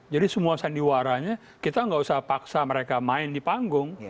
jadi semua sandiwaranya kita nggak usah paksa mereka main di panggung